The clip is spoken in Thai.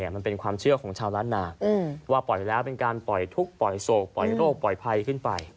มันเป็นความเชื่อของชาวล้านนาว่าปล่อยแล้วเป็นการปล่อยทุกข์ปล่อยโศกปล่อยโรคปล่อยภัยขึ้นไป